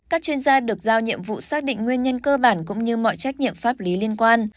các chuyên gia được giao nhiệm vụ xác định nguyên nhân cơ bản cũng như mọi trách nhiệm pháp lý liên quan